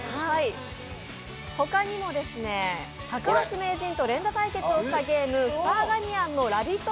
他にも高橋名人と連打対決をしたゲーム「スターガニアン」の「ラヴィット！」